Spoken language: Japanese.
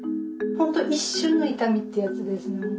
本当一瞬の痛みってやつですね。